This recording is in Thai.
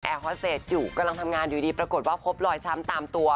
ฮอเซจอยู่กำลังทำงานอยู่ดีปรากฏว่าพบรอยช้ำตามตัว